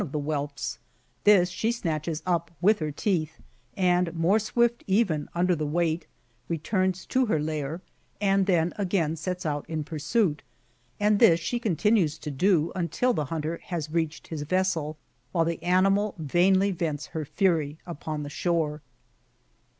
[Book VIII whelps ; this she snatches np with her teeth, and more swift, even, under the weight, retiims to her lair, and then again sets ont in pursuit ; and this she continues to do, until the hunter has reached his vessel, while the animal vainly vents her fury upon the shore.